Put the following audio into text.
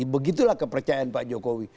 begitulah kepercayaan pak jokowi